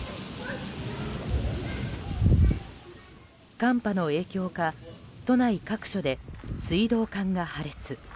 寒波の影響か都内各所で水道管が破裂。